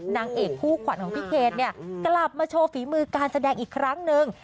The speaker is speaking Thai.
นางเอกคู่ขวัญของพี่เคนเนี่ยกลับมาโชว์ฝีมือการแสดงอีกครั้งหนึ่ง